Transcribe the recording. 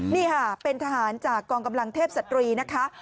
นี่ค่ะเป็นทหารจากกองกำลังเทพศตรีนะคะ